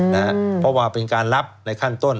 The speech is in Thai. เพราะว่าเป็นการรับในขั้นต้น